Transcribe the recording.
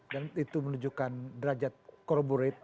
dan itu menunjukkan derajat korborate